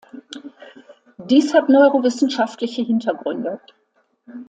Dies hat neurowissenschaftliche Hintergründe.